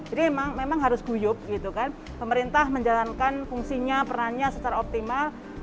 jadi memang harus guyup gitu kan pemerintah menjalankan fungsinya perannya secara optimal